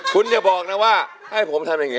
คุณอย่าบอกนะว่าให้ผมทำอย่างนี้